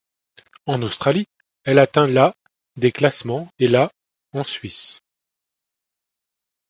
En Australie, elle atteint la des classements, et la en Suisse.